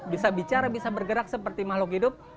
bisa bicara bisa bergerak seperti makhluk hidup